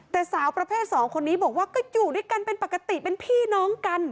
แต่สาวประเภทสองคนนี้บอกว่าก็อยู่ด้วยกันเป็นปกติเป็นพี่น้องกัน